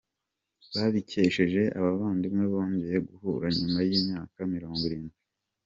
Babikesheje abavandimwe bongeye guhura nyuma y’imyaka mirongwirindwi